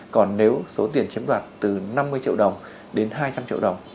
còn nếu số tiền chiếm đoạt từ năm mươi triệu đồng đến hai trăm linh triệu đồng